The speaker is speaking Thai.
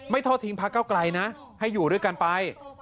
ไม่ทอดทิ้งภาคเก้ากลัยให้อยู่ด้วยกันไป